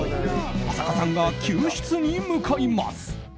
浅香さんが救出に向かいます。